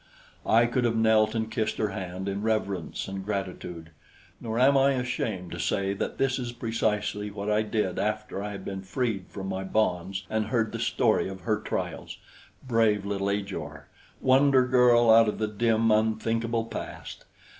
I could have knelt and kissed her hand in reverence and gratitude; nor am I ashamed to say that that is precisely what I did after I had been freed from my bonds and heard the story of her trials. Brave little Ajor! Wonder girl out of the dim, unthinkable past!